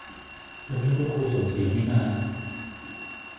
วันนี้คุณครูสมศรีไม่มา